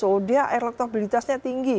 oh dia elektroabilitasnya tinggi